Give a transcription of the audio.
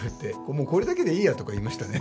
もうこれだけでいいやとか言いましたね。